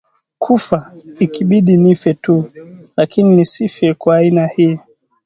Kufa! Ikibidi nife tu lakini nisife kwa aina hii